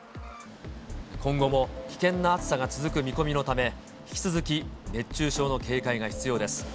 今後も危険な暑さが続く見込みのため、引き続き、熱中症の警戒が必要です。